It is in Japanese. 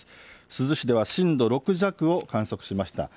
珠洲市では震度６弱を観測しました。